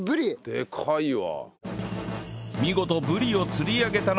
でかいわ。